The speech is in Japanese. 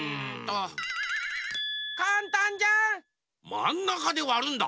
まんなかでわるんだ！